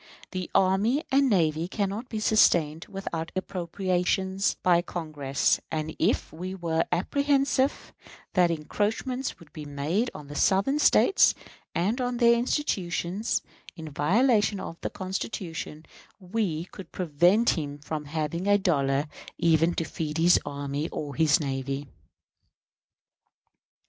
The army and navy cannot be sustained without appropriations by Congress; and, if we were apprehensive that encroachments would be made on the Southern States and on their institutions, in violation of the Constitution, we could prevent him from having a dollar even to feed his army or his navy.